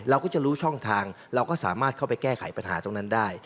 เราก็จะรู้ช่องทางเราก็สามารถเข้าไปแก้ไขปัญหาตรงนั้นได้